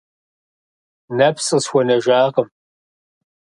Нэпс къысхуэнэжакъым.